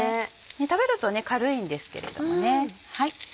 食べると軽いんですけれどもね。